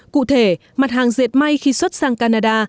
cụ thể mặt hàng dệt may khi xuất sang canada